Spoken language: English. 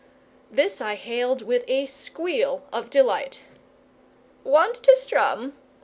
This I hailed with a squeal of delight. "Want to strum?"